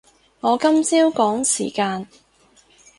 我今朝趕時間